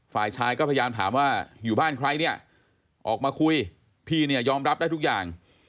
ฝ่ายชายก็พยายามถามว่าอยู่บ้านใครเนี่ยออกมาคุยพี่เนี่ยยอมรับได้ทุกอย่าง